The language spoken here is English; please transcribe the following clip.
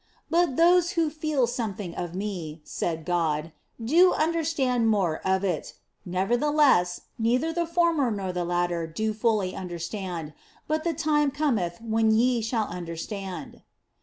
" But those who feel something of Me," said God, " do understand more of it ; nevertheless, neither the former nor the latter do fully understand, but the time cometh when ye shall understand."